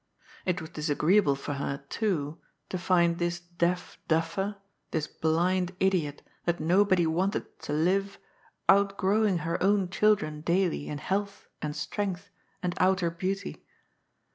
It was disagreeable for her, too, to find this deaf duffer, this blind idiot that nobody wanted to live, outgrowing her own children daily in health and strength and outer beauty.